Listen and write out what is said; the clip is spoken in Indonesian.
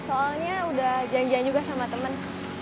soalnya udah janjian juga sama temen